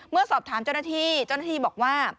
เมื่อสอบถามเจ้าหน้าที่เจ้าหน้าที่บอกว่า